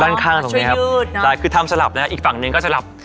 ข้างตรงเนี้ยครับยืดใช่คือทำสลับนะฮะอีกฝั่งหนึ่งก็สลับ